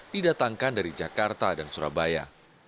didatangkan dari jakarta dan surabaya